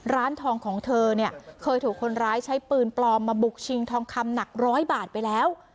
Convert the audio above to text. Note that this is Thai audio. ร้านทองของเธอเนี่ยเคยถูกคนร้ายใช้ปืนปลอมมาบุกชิงทองคำหนักร้อยบาทไปแล้ว